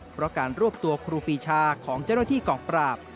เพราะการรวบตัวครูปีชาของเจ้าหน้าที่กองปราบ